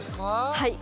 はい。